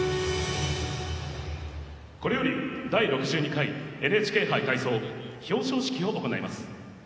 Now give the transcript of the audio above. これより第６２回ＮＨＫ杯体操表彰式を行います。